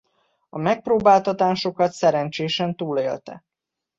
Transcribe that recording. A megpróbáltatásokat szerencsésen túlélte.